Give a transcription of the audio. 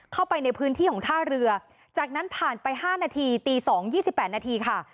เข้าไปในพื้นที่ของท่าเรือจากนั้นผ่านไป๕นาทีตี๒๒๘นาทีค่ะ